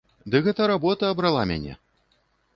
Ды гэта работа абрала мяне!